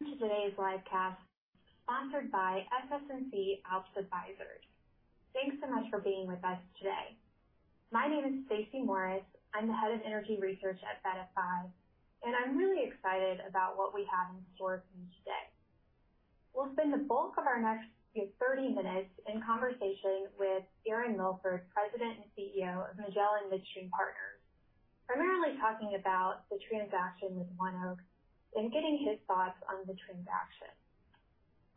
To today's live cast, sponsored by SS&C ALPS Advisors. Thanks so much for being with us today. My name is Stacey Morris. I'm the Head of Energy Research at VettaFi, and I'm really excited about what we have in store for you today. We'll spend the bulk of our next 30 minutes in conversation with Aaron Milford, President and Chief Executive Officer of Magellan Midstream Partners, primarily talking about the transaction with ONEOK and getting his thoughts on the transaction.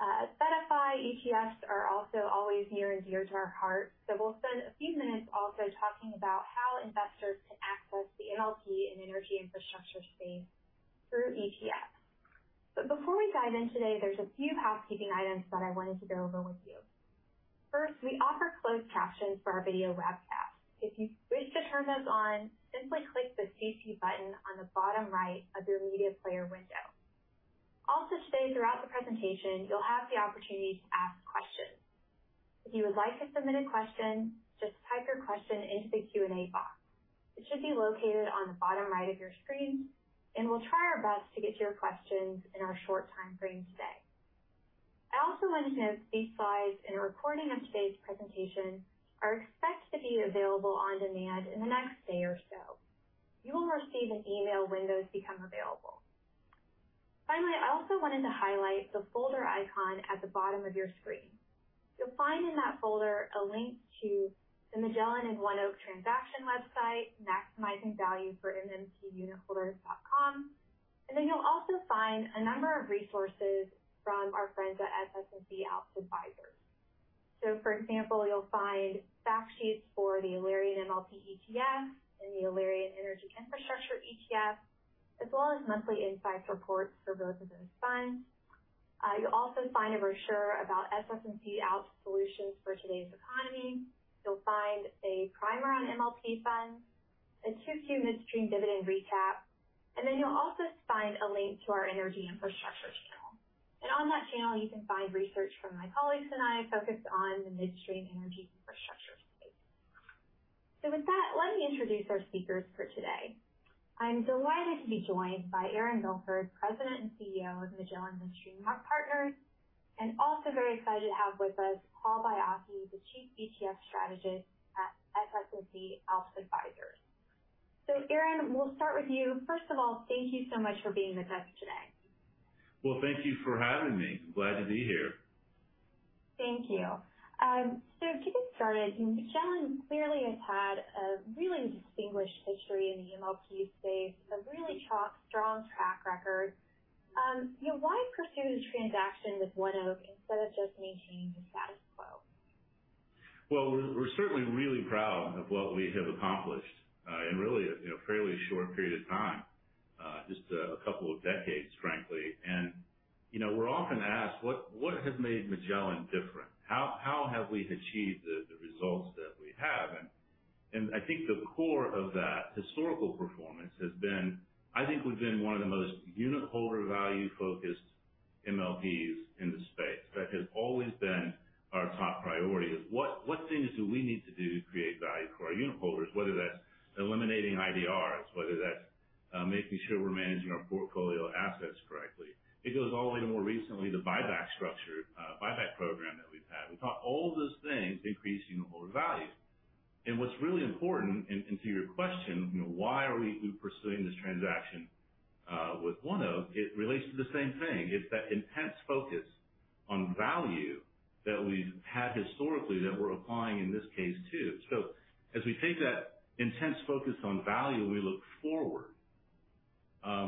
VettaFi ETFs are also always near and dear to our heart, so we'll spend a few minutes also talking about how investors can access the MLP and energy infrastructure space through ETFs. Before we dive in today, there's a few housekeeping items that I wanted to go over with you. First, we offer closed captions for our video webcasts. If you wish to turn those on, simply click the CC button on the bottom right of your media player window. Also, today, throughout the presentation, you'll have the opportunity to ask questions. If you would like to submit a question, just type your question into the Q&A box. It should be located on the bottom right of your screen, and we'll try our best to get to your questions in our short time frame today. I also want to note these slides and a recording of today's presentation are expected to be available on demand in the next day or so. You will receive an email when those become available. Finally, I also wanted to highlight the folder icon at the bottom of your screen. You'll find in that folder a link to the Magellan and ONEOK transaction website, MaximizingValueforMMPunitholders.com. You'll also find a number of resources from our friends at SS&C ALPS Advisors. For example, you'll find fact sheets for the Alerian MLP ETF and the Alerian Energy Infrastructure ETF, as well as monthly insight reports for both of those funds. You'll also find a brochure about SS&C ALPS solutions for today's economy. You'll find a primer on MLP funds, a Q2 Midstream dividend recap, and then you'll also find a link to our Energy Infrastructure Channel. On that channel, you can find research from my colleagues and I, focused on the midstream energy infrastructure space. With that, let me introduce our speakers for today. I'm delighted to be joined by Aaron Milford, President and CEO of Magellan Midstream Partners, and also very excited to have with us Paul Baiocchi, the Chief ETF Strategist at SS&C ALPS Advisors. Aaron, we'll start with you. First of all, thank you so much for being with us today. Well, thank you for having me. Glad to be here. Thank you. To get started, Magellan clearly has had a really distinguished history in the MLP space, a really strong, strong track record. You know, why pursue this transaction with ONEOK instead of just maintaining the status quo? Well, we're, we're certainly really proud of what we have accomplished, in really a, you know, fairly short period of time, just a couple of decades, frankly. You know, we're often asked: What, what has made Magellan different? How, how have we achieved the, the results that we have? I think the core of that historical performance has been, I think we've been one of the most unitholder value-focused MLPs in the space. That has always been our top priority, is what, what things do we need to do to create value for our unitholders? Whether that's eliminating IDRs, whether that's, making sure we're managing our portfolio assets correctly. It goes all the way to more recently, the buyback structure, buyback program that we've had. We thought all of those things increase unitholder value. What's really important and, and to your question, you know, why are we pursuing this transaction with ONEOK? It relates to the same thing. It's that intense focus on value that we've had historically that we're applying in this case, too. As we take that intense focus on value and we look forward,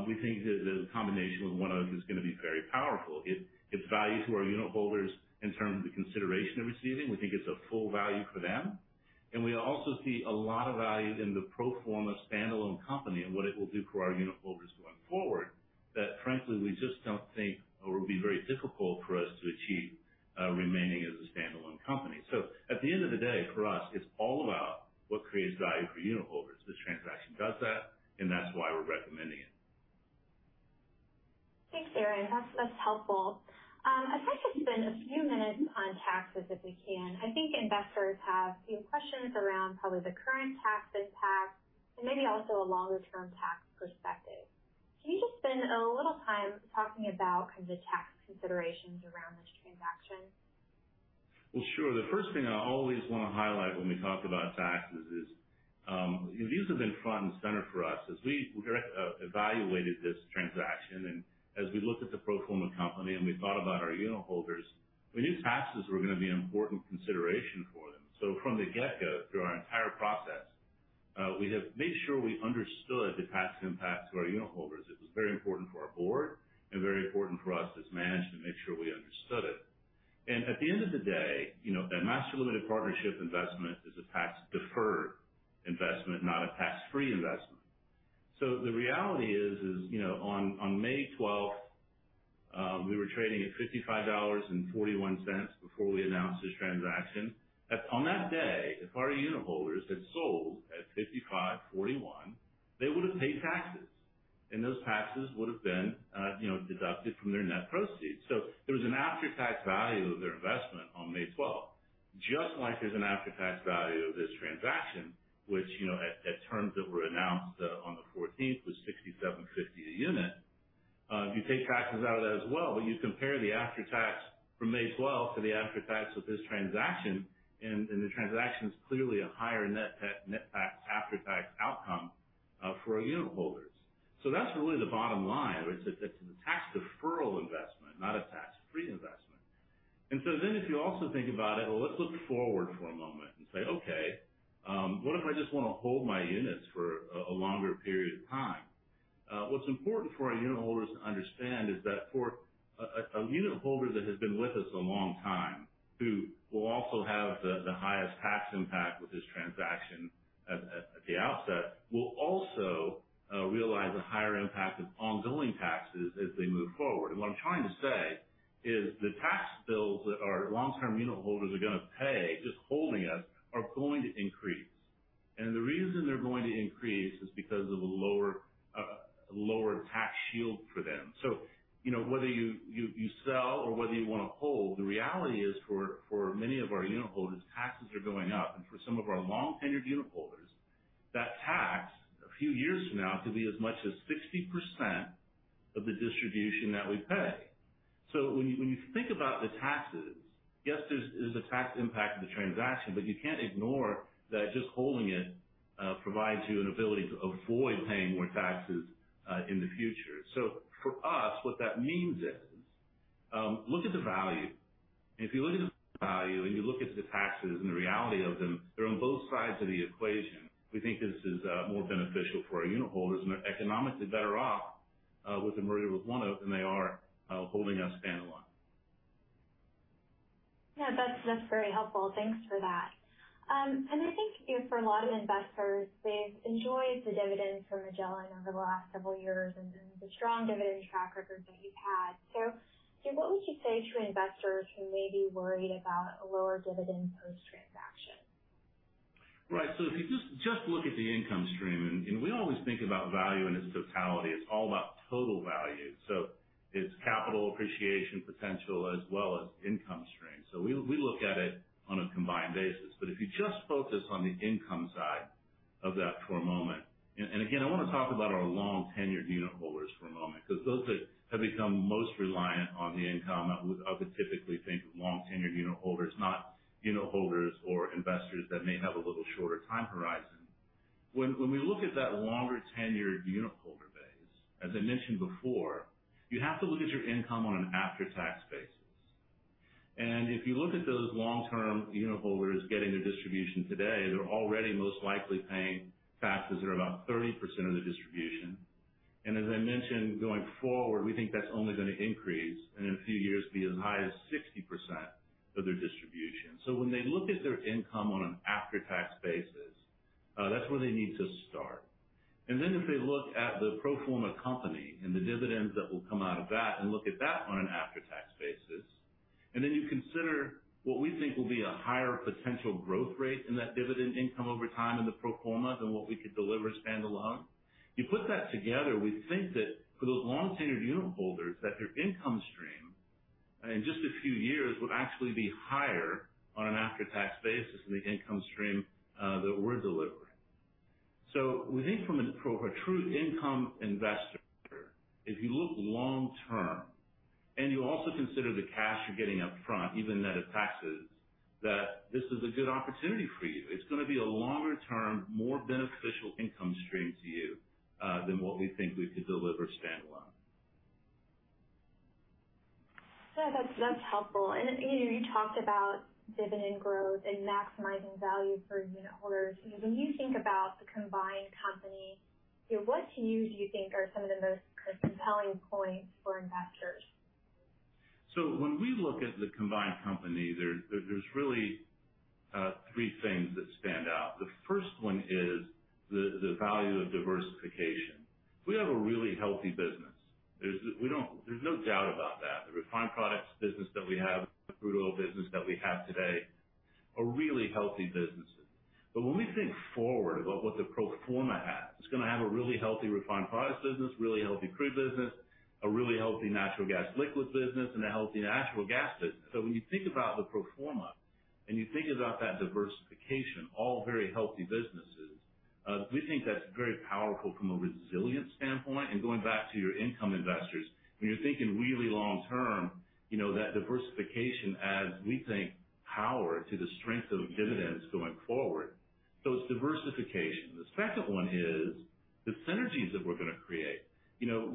we think that the combination with ONEOK is going to be very powerful. It, it's value to our unitholders in terms of the consideration they're receiving. We think it's a full value for them. We also see a lot of value in the pro forma standalone company and what it will do for our unitholders going forward, that frankly, we just don't think or would be very difficult for us to achieve, remaining as a standalone company. At the end of the day, for us, it's all about what creates value for unitholders. This transaction does that, and that's why we're recommending it. Thanks, Aaron. That's, that's helpful. I'd like to spend a few minutes on taxes, if we can. I think investors have a few questions around probably the current tax impact and maybe also a longer-term tax perspective. Can you just spend a little time talking about kind of the tax considerations around this transaction? Well, sure. The first thing I always want to highlight when we talk about taxes is, these have been front and center for us. As we evaluated this transaction and as we looked at the pro forma company and we thought about our unitholders, we knew taxes were going to be an important consideration for them. From the get-go, through our entire process, we have made sure we understood the tax impact to our unitholders. It was very important for our board and very important for us as management to make sure we understood it. At the end of the day, you know, a master limited partnership investment is a tax-deferred investment, not a tax-free investment. The reality is, is, you know, on, on May 12th, we were trading at $55.41 before we announced this transaction. On that day, if our unitholders had sold at $55.41, they would have paid taxes, and those taxes would have been, you know, deducted from their net proceeds. There was an after-tax value of their investment on May 12th. Just like there's an after-tax value of this transaction, which, you know, at, at terms that were announced on the 14th, was $67.50 a unit. You take taxes out of that as well, but you compare the after-tax from May 12 to the after-tax of this transaction, and the transaction is clearly a higher net tax after-tax outcome for our unitholders. That's really the bottom line, is it's a tax deferral investment, not a tax-free investment. Then if you also think about it, well, let's look forward for a moment and say, okay, what if I just want to hold my units for a longer period of time? What's important for our unitholders to understand is that for a unitholder that has been with us a long time, who will also have the highest tax impact with this transaction at the outset, will also realize a higher impact of ongoing taxes as we move forward. What I'm trying to say is, the tax bills that our long-term unitholders are going to pay, just holding us, are going to increase. The reason they're going to increase is because of the lower, lower tax shield for them. You know, whether you, you, you sell or whether you want to hold, the reality is for, for many of our unitholders, taxes are going up. For some of our long-tenured unitholders, that tax, a few years from now, could be as much as 60% of the distribution that we pay. When you, when you think about the taxes, yes, there's, there's a tax impact of the transaction, but you can't ignore that just holding it provides you an ability to avoid paying more taxes in the future. For us, what that means is, look at the value. If you look at the value and you look at the taxes and the reality of them, they're on both sides of the equation. We think this is, more beneficial for our unitholders, and they're economically better off, with the merger with ONEOK, than they are, holding us standalone. Yeah, that's, that's very helpful. Thanks for that. I think for a lot of investors, they've enjoyed the dividends from Magellan over the last several years and, and the strong dividend track record that you've had. So what would you say to investors who may be worried about a lower dividend post-transaction? Right. If you just look at the income stream, and we always think about value in its totality. It's all about total value, so it's capital appreciation potential as well as income stream. We look at it on a combined basis. If you just focus on the income side of that for a moment, and again, I want to talk about our long-tenured unitholders for a moment, because those that have become most reliant on the income, I would typically think of long-tenured unitholders, not unitholders or investors that may have a little shorter time horizon. When we look at that longer-tenured unitholder base, as I mentioned before, you have to look at your income on an after-tax basis. If you look at those long-term unitholders getting their distribution today, they're already most likely paying taxes that are about 30% of the distribution. As I mentioned, going forward, we think that's only going to increase, and in a few years, be as high as 60% of their distribution. When they look at their income on an after-tax basis, that's where they need to start. Then if they look at the pro forma company and the dividends that will come out of that, and look at that on an after-tax basis, and then you consider what we think will be a higher potential growth rate in that dividend income over time in the pro forma than what we could deliver standalone. You put that together, we think that for those long-tenured unitholders, that their income stream, in just a few years, would actually be higher on an after-tax basis than the income stream that we're delivering. We think from a true income investor, if you look long term, and you also consider the cash you're getting up front, even net of taxes, that this is a good opportunity for you. It's going to be a longer-term, more beneficial income stream to you than what we think we could deliver standalone. That's, that's helpful. You know, you talked about dividend growth and maximizing value for unitholders. When you think about the combined company, so what to you, do you think are some of the most kind of compelling points for investors? When we look at the combined company, there, there's really three things that stand out. The first one is the, the value of diversification. We have a really healthy business. There's no doubt about that. The refined products business that we have, the crude oil business that we have today, are really healthy businesses. When we think forward about what the pro forma has, it's going to have a really healthy refined products business, really healthy crude business, a really healthy natural gas liquids business, and a healthy natural gas business. When you think about the pro forma and you think about that diversification, all very healthy businesses, we think that's very powerful from a resilience standpoint. Going back to your income investors, when you're thinking really long term, you know, that diversification adds, we think, power to the strength of dividends going forward. It's diversification. The second one is the synergies that we're going to create. You know,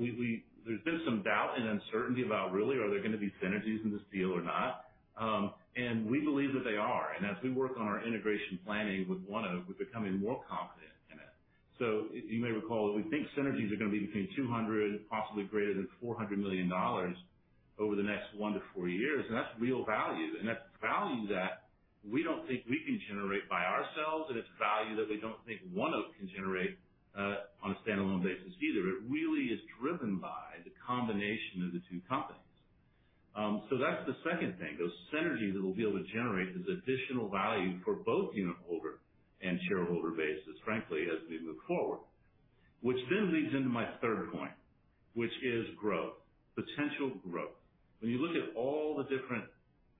there's been some doubt and uncertainty about really, are there going to be synergies in this deal or not? We believe that they are. As we work on our integration planning with ONEOK, we're becoming more confident in it. You may recall, we think synergies are going to be between $200 million, possibly greater than $400 million over the next one to four years. That's real value. That's value that we don't think we can generate by ourselves, and it's value that we don't think ONEOK can generate on a standalone basis either. It really is driven by the combination of the two companies. That's the second thing, those synergies that we'll be able to generate, this additional value for both unitholder and shareholder bases, frankly, as we move forward. Leads into my third point, which is growth, potential growth. When you look at all the different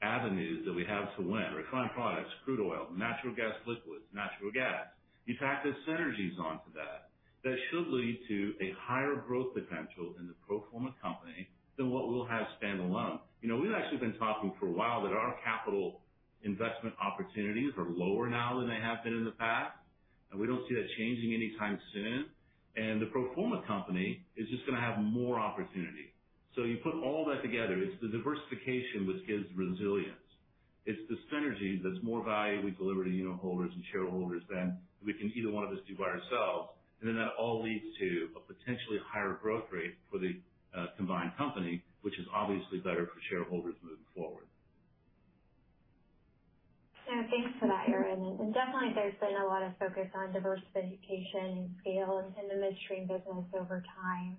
avenues that we have to win, refined products, crude oil, natural gas, liquids, natural gas, you tack the synergies onto that, that should lead to a higher growth potential in the pro forma company than what we'll have standalone. You know, we've actually been talking for a while that our capital investment opportunities are lower now than they have been in the past, and we don't see that changing anytime soon. The pro forma company is just going to have more opportunity. You put all that together, it's the diversification which gives resilience. It's the synergy that's more value we deliver to unitholders and shareholders than we can either one of us do by ourselves. That all leads to a potentially higher growth rate for the combined company, which is obviously better for shareholders moving forward. Yeah, thanks for that, Aaron. Definitely there's been a lot of focus on diversification and scale in the midstream business over time.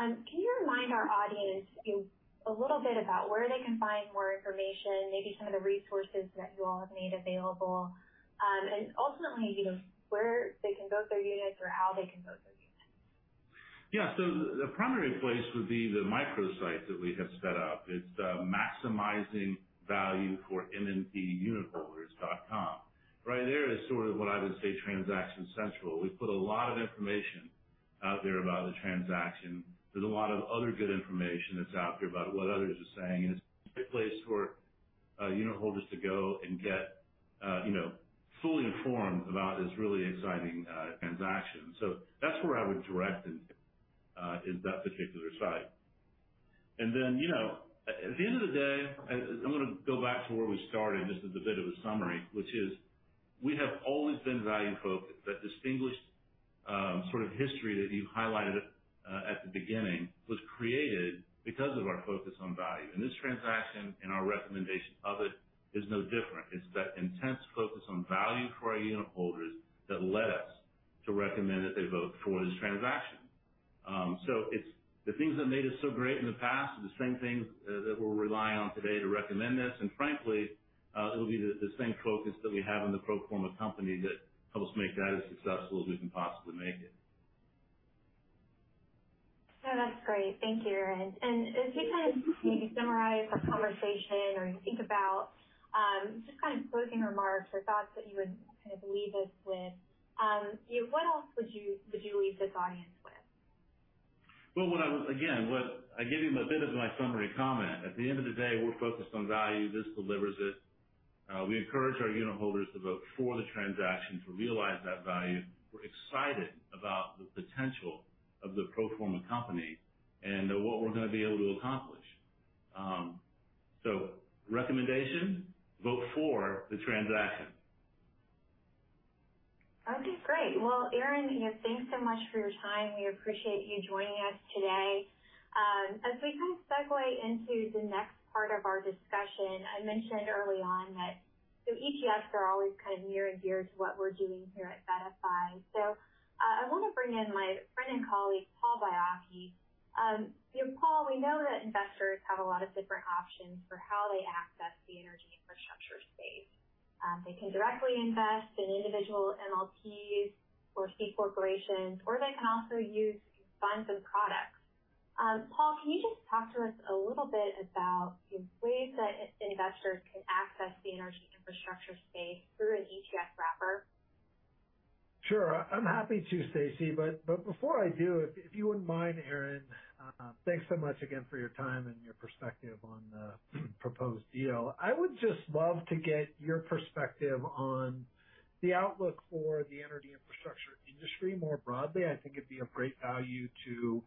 Can you remind our audience a little bit about where they can find more information, maybe some of the resources that you all have made available? Ultimately, you know, where they can vote their units or how they can vote their units? Yeah. The primary place would be the microsite that we have set up. It's the MaximizingValueforMMPunitholders.com. Right there is sort of what I would say, transaction central. We've put a lot of information out there about the transaction. There's a lot of other good information that's out there about what others are saying, and it's a place for unitholders to go and get, you know, fully informed about this really exciting transaction. That's where I would direct them is that particular site. Then, you know, at the end of the day, I- I'm going to go back to where we started. This is a bit of a summary, which is we have always been value focused. That distinguished sort of history that you highlighted at the beginning was created because of our focus on value. This transaction and our recommendation of it is no different. It's that intense focus on value for our unitholders that led us to recommend that they vote for this transaction. It's the things that made us so great in the past are the same things that we're relying on today to recommend this. Frankly, it'll be the, the same focus that we have in the pro forma company that helps make that as successful as we can possibly make it. That's great. Thank you, Aaron. As you kind of maybe summarize our conversation or you think about, just kind of closing remarks or thoughts that you would kind of leave us with, what else would you, would you leave this audience with? Again, what I gave you a bit of my summary comment. At the end of the day, we're focused on value. This delivers it. We encourage our unitholders to vote for the transaction to realize that value. We're excited about the potential of the pro forma company and what we're going to be able to accomplish. Recommendation, vote for the transaction. Okay, great. Well, Aaron, you know, thanks so much for your time. We appreciate you joining us today. As we kind of segue into the next part of our discussion, I mentioned early on that ETFs are always kind of near and dear to what we're doing here at VettaFi. I want to bring in my friend and colleague, Paul Baiocchi. You know, Paul, we know that investors have a lot of different options for how they access the energy infrastructure space. They can directly invest in individual MLPs or C corporations, or they can also use funds and products. Paul, can you just talk to us a little bit about the ways that investors can access the energy infrastructure space through an ETF wrapper? Sure, I'm happy to, Stacey, but before I do, if you wouldn't mind, Aaron, thanks so much again for your time and your perspective on the proposed deal. I would just love to get your perspective on the outlook for the energy infrastructure industry more broadly. I think it'd be of great value to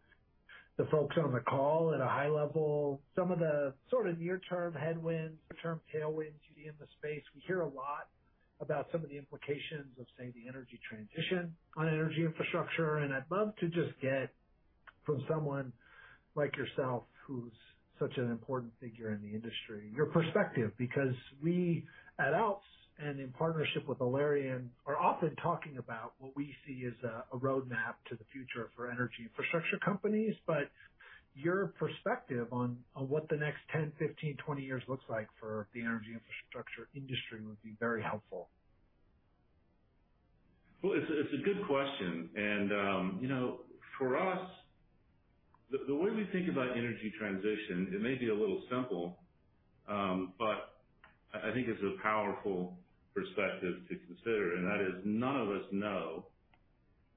the folks on the call at a high level, some of the sort of near-term headwinds, short-term tailwinds you see in the space. We hear a lot about some of the implications of, say, the energy transition on energy infrastructure, and I'd love to just get from someone like yourself, who's such an important figure in the industry, your perspective, because we at ALPS and in partnership with Alerian, are often talking about what we see as a roadmap to the future for energy infrastructure companies. Your perspective on, on what the next 10, 15, 20 years looks like for the energy infrastructure industry would be very helpful. Well, it's a, it's a good question, you know, for us, the way we think about energy transition, it may be a little simple, but I think it's a powerful perspective to consider, and that is none of us know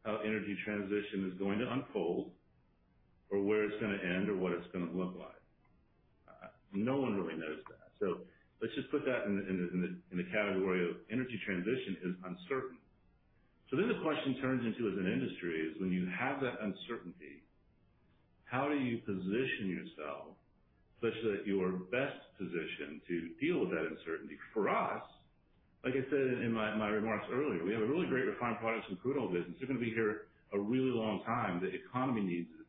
how energy transition is going to unfold or where it's going to end or what it's going to look like. No one really knows that. Let's just put that in the category of energy transition is uncertain. Then the question turns into, as an industry, is when you have that uncertainty, how do you position yourself such that you are best positioned to deal with that uncertainty? For us, like I said in my remarks earlier, we have a really great refined products and crude oil business. They're going to be here a really long time. The economy needs it,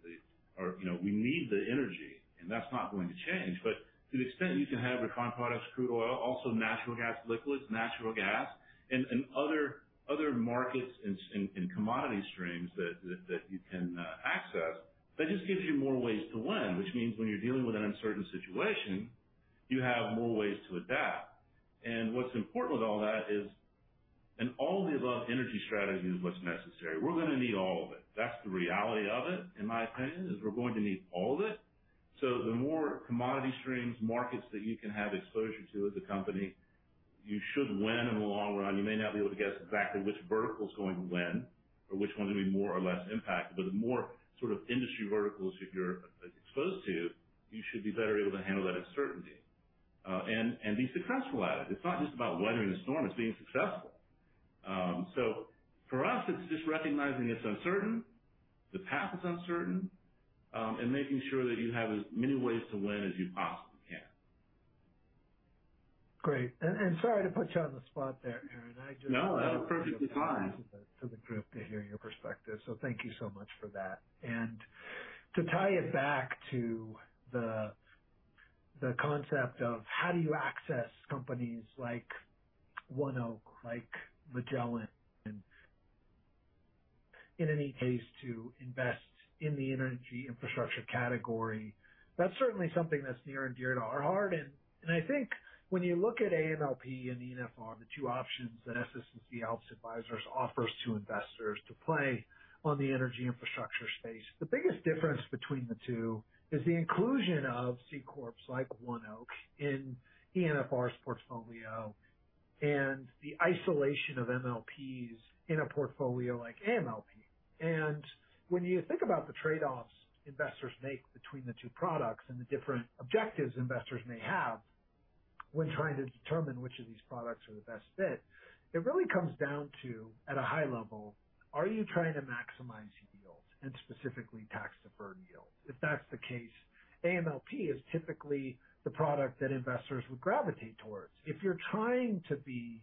or, you know, we need the energy, and that's not going to change. To the extent you can have refined products, crude oil, also natural gas liquids, natural gas, and other, other markets and commodity streams that, that, that you can access, that just gives you more ways to win, which means when you're dealing with an uncertain situation, you have more ways to adapt. What's important with all that is, an all-of-the-above energy strategy is what's necessary. We're going to need all of it. That's the reality of it, in my opinion, is we're going to need all of it. The more commodity streams, markets that you can have exposure to as a company, you should win in the long run. You may not be able to guess exactly which vertical is going to win or which one is going to be more or less impacted. The more sort of industry verticals that you're exposed to, you should be better able to handle that uncertainty, and be successful at it. It's not just about weathering the storm, it's being successful. For us, it's just recognizing it's uncertain, the path is uncertain, and making sure that you have as many ways to win as you possibly can. Great. sorry to put you on the spot there, Aaron. No, that was perfectly fine. To the group to hear your perspective, so thank you so much for that. To tie it back to the, the concept of how do you access companies like ONEOK, like Magellan, and in any case, to invest in the energy infrastructure category, that's certainly something that's near and dear to our heart. I think when you look at AMLP and ENFR, the two options that SS&C ALPS Advisors offers to investors to play on the energy infrastructure space, the biggest difference between the two is the inclusion of C corps, like ONEOK, in ENFR's portfolio, and the isolation of MLPs in a portfolio like AMLP. When you think about the trade-offs investors make between the two products and the different objectives investors may have when trying to determine which of these products are the best fit, it really comes down to, at a high level, are you trying to maximize yields and specifically tax-deferred yields? If that's the case, AMLP is typically the product that investors would gravitate towards. If you're trying to be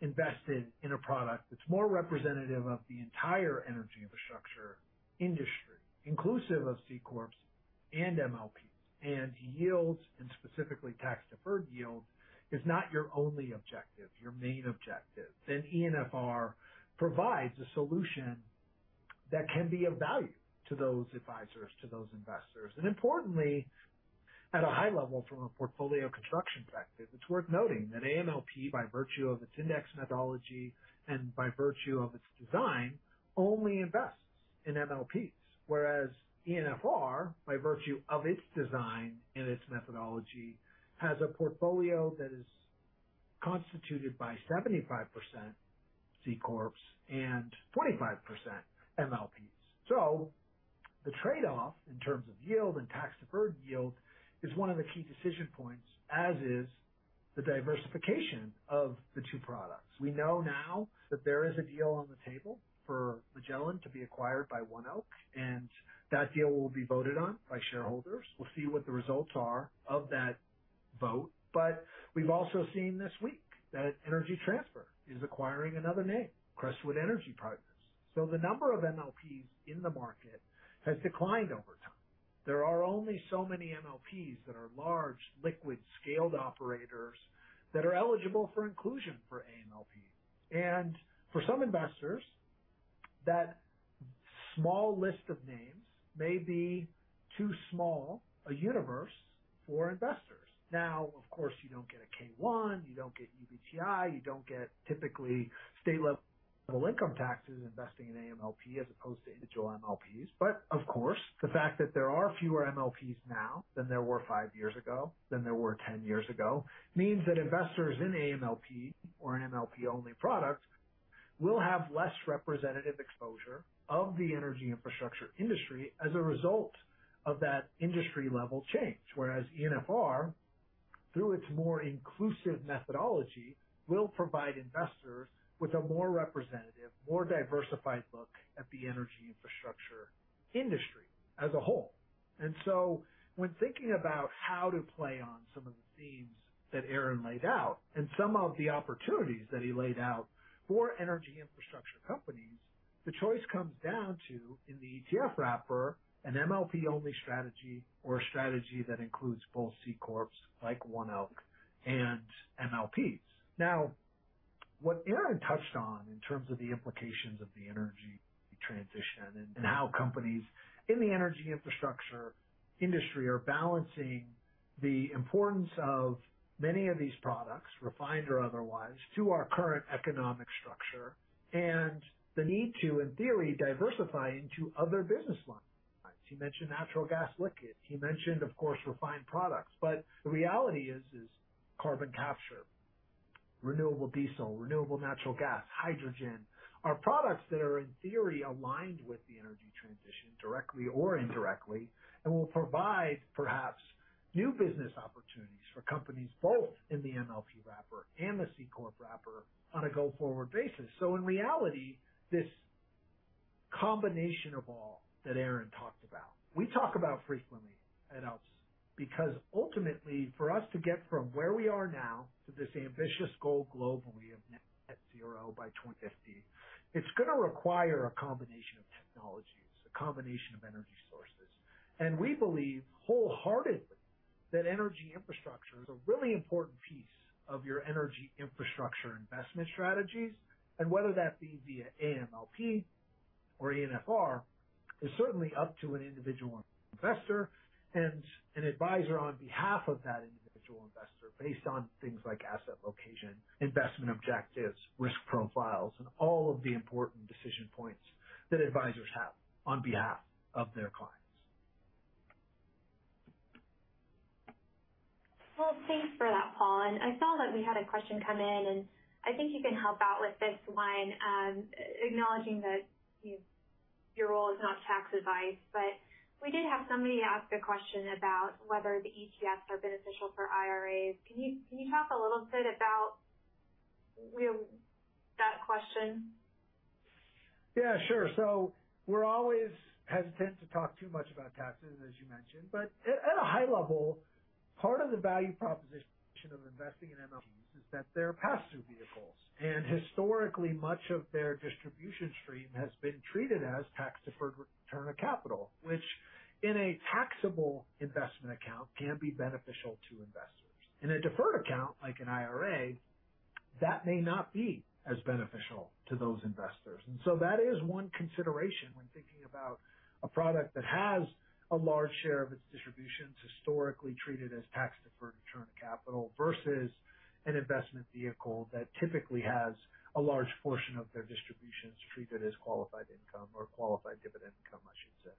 invested in a product that's more representative of the entire energy infrastructure industry, inclusive of C corps and MLPs, and yields, and specifically tax-deferred yield, is not your only objective, your main objective, then ENFR provides a solution that can be of value to those advisors, to those investors. Importantly, at a high level, from a portfolio construction perspective, it's worth noting that AMLP, by virtue of its index methodology and by virtue of its design, only invests in MLPs, whereas ENFR, by virtue of its design and its methodology, has a portfolio that is constituted by 75% C corps and 25% MLPs. The trade-off in terms of yield and tax-deferred yield is one of the key decision points, as is the diversification of the two products. We know now that there is a deal on the table for Magellan to be acquired by ONEOK, that deal will be voted on by shareholders. We'll see what the results are of that vote. We've also seen this week that Energy Transfer is acquiring another name, Crestwood Equity Partners. The number of MLPs in the market has declined over time. There are only so many MLPs that are large, liquid, scaled operators that are eligible for inclusion for AMLP. For some investors, that small list of names may be too small a universe for investors. Now, of course, you don't get a K-1, you don't get UBTI, you don't get typically state-level income taxes investing in AMLP as opposed to individual MLPs. Of course, the fact that there are fewer MLPs now than there were five years ago, than there were ten years ago, means that investors in AMLP or an MLP-only product will have less representative exposure of the energy infrastructure industry as a result of that industry-level change. Whereas ENFR, through its more inclusive methodology, will provide investors with a more representative, more diversified look at the energy infrastructure industry as a whole. When thinking about how to play on some of the themes that Aaron laid out and some of the opportunities that he laid out for energy infrastructure companies, the choice comes down to, in the ETF wrapper, an MLP-only strategy or a strategy that includes both C corps, like ONEOK, and MLPs. Now, what Aaron touched on in terms of the implications of the energy transition and how companies in the energy infrastructure industry are balancing the importance of many of these products, refined or otherwise, to our current economic structure and the need to, in theory, diversify into other business lines. He mentioned natural gas liquids. He mentioned, of course, refined products. The reality is, is carbon capture, renewable diesel, renewable natural gas, hydrogen, are products that are, in theory, aligned with the energy transition, directly or indirectly, and will provide perhaps new business opportunities for companies both in the MLP wrapper and the C corp wrapper on a go-forward basis. In reality, this combination of all that Aaron talked about, we talk about frequently at ALPS, because ultimately, for us to get from where we are now to this ambitious goal globally of Net Zero by 2050, it's going to require a combination of technologies, a combination of energy sources. We believe wholeheartedly that energy infrastructure is a really important piece of your energy infrastructure investment strategies, and whether that be via AMLP-... ENFR is certainly up to an individual investor and an advisor on behalf of that individual investor, based on things like asset location, investment objectives, risk profiles, and all of the important decision points that advisors have on behalf of their clients. Well, thanks for that, Paul. I saw that we had a question come in, and I think you can help out with this one. Acknowledging that, you, your role is not tax advice, but we did have somebody ask a question about whether the ETFs are beneficial for IRAs. Can you, can you talk a little bit about we have that question? Sure. We're always hesitant to talk too much about taxes, as you mentioned, but at, at a high level, part of the value proposition of investing in MLPs is that they're pass-through vehicles, and historically, much of their distribution stream has been treated as tax-deferred return of capital, which in a taxable investment account, can be beneficial to investors. In a deferred account, like an IRA, that may not be as beneficial to those investors. That is one consideration when thinking about a product that has a large share of its distributions historically treated as tax-deferred return of capital versus an investment vehicle that typically has a large portion of their distributions treated as qualified income or qualified dividend income, I should say.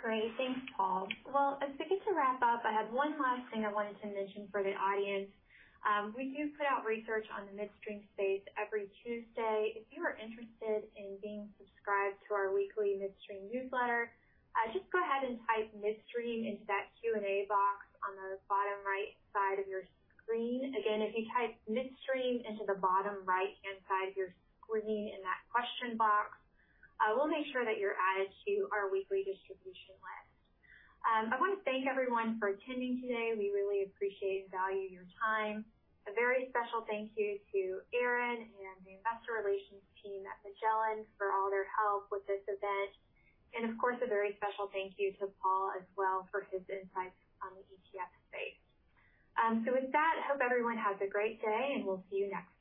Great. Thanks, Paul. As we get to wrap up, I have one last thing I wanted to mention for the audience. We do put out research on the midstream space every Tuesday. If you are interested in being subscribed to our weekly midstream newsletter, just go ahead and type midstream into that Q&A box on the bottom right side of your screen. Again, if you type midstream into the bottom right-hand side of your screen in that question box, we'll make sure that you're added to our weekly distribution list. I want to thank everyone for attending today. We really appreciate and value your time. A very special thank you to Aaron and the investor relations team at Magellan for all their help with this event. Of course, a very special thank you to Paul as well for his insights on the ETF space. With that, I hope everyone has a great day, and we'll see you next time.